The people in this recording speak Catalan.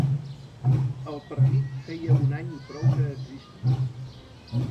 El partit feia un any i prou que existia.